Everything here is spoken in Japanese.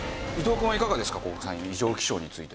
こう異常気象については。